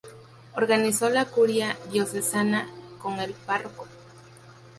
Organizó la Curia Diocesana con el Pbro.